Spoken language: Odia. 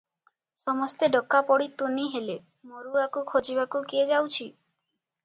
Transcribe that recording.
ସମସ୍ତେ ଡକା ପଡ଼ି ତୁନି ହେଲେ, ମରୁଆକୁ ଖୋଜିବାକୁ କିଏ ଯାଉଛି?